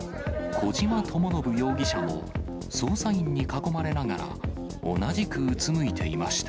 小島智信容疑者も、捜査員に囲まれながら、同じくうつむいていました。